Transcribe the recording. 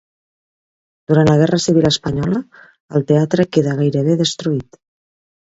Durant la Guerra Civil Espanyola, el teatre queda gairebé destruït.